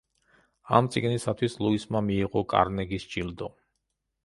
ამ წიგნისათვის ლუისმა მიიღო კარნეგის ჯილდო.